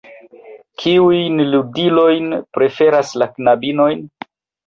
Kiujn ludilojn preferas la knabinoj?